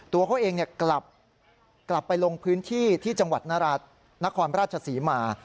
ตัวเขาเองกลับไปลงพื้นที่ที่จังหวัดนครราชศรีมา